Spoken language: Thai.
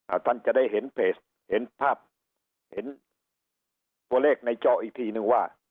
ท่านจะได้เห็นเพจเห็นภาพเห็นตัวเลขในจออีกทีนึงว่า